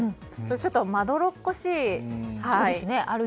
ちょっとまどろっこしい。